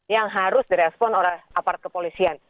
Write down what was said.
yang harus direspon oleh aparat kepolisian